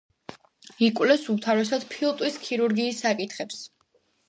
იკვლევს უმთავრესად ფილტვის ქირურგიის საკითხებს.